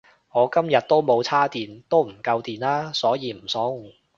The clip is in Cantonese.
我今日都冇叉電都唔夠電呀所以唔送